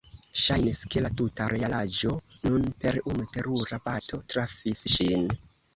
Ŝajnis, ke la tuta realaĵo nun per unu terura bato trafis ŝin.